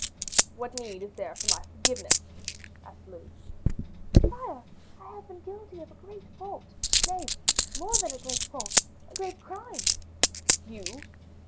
"What need is there for my forgiveness?" asked Louis. "Sire, I have been guilty of a great fault; nay, more than a great fault, a great crime." "You?"